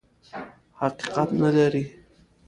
حقیقت نه لري.